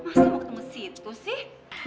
masih mau ketemu situ sih